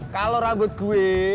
kalo rambut gue